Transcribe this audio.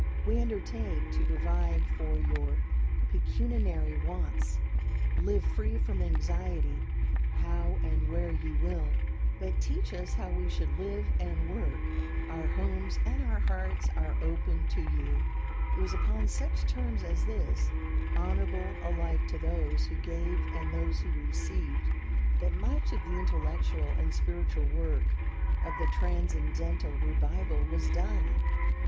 We undertake to provide for your pecuniary wants; live free from anxiety, how, and where you will; but teach us how we should live and work; our homes and our hearts are open to you." It was upon such terms as this, honorable alike to those who gave and those who received, that much of the intellectual and spiritual work of the Transcendental revival was done.